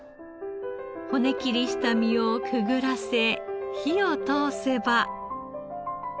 骨切りした身をくぐらせ火を通せば。